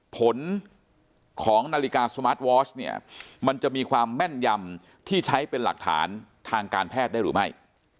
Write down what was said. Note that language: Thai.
ผลของนาฬิกาสมาร์ทวอชเนี่ยมันจะมีความแม่นยำที่ใช้เป็นหลักฐานทางการแพทย์ได้หรือไม่